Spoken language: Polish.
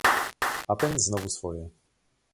A ten znowu swoje.